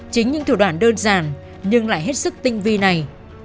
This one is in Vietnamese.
chính những thủ đoạn đơn giản nhưng lại hết sức tinh vi này